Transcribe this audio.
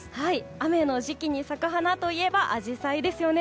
雨の時期に咲く花といえばアジサイですよね。